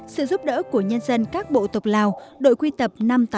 sự giúp đỡ của nhân dân các bộ tộc lào đội quy tập năm trăm tám mươi tám